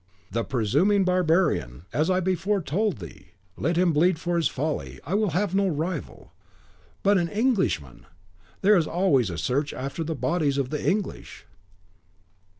"The presuming barbarian! As I before told thee, let him bleed for his folly. I will have no rival." "But an Englishman! There is always a search after the bodies of the English."